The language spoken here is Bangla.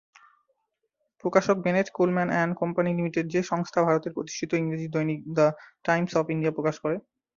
প্রকাশক Bennett Coleman and company limited, যে সংস্থা ভারতের প্রতিষ্ঠিত ইংরেজি দৈনিক 'দ্য টাইমস অফ ইন্ডিয়া' প্রকাশ করে।